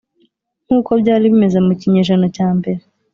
Nk uko byari bimeze mu kinyejana cya mbere